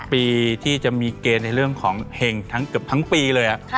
ปีที่จะมีเกณฑ์ในเรื่องของเห็งทั้งเกือบทั้งปีเลย